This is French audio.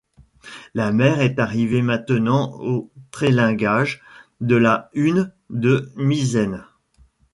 La mer est arrivée maintenant au trélingage de la hune de misaine.